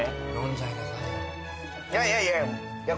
いやいやいや焼